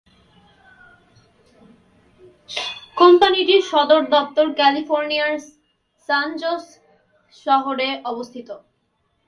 কোম্পানিটির সদর-দপ্তর ক্যালিফোর্নিয়ার সান জোস শহরে অবস্থিত।